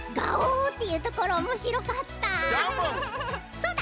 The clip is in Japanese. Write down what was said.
そうだ！